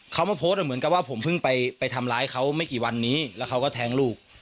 เขามาโพสต์เหมือนกับว่าผมเพิ่งไปทำร้ายเขาไม่กี่วันนี้แล้วเขาก็แทงลูก